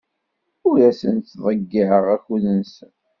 Ur asen-ttḍeyyiɛeɣ akud-nsen.